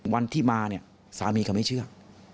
วันที่มาเนี่ยสามีเขาไม่เชื่อ